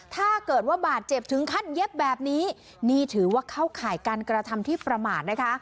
ถ้าเกิดว่าบาดเจ็บถึงขั้นเย็บแบบนี้นี่ถือว่าเข้าข่ายการกระทำที่ประมาทนะคะ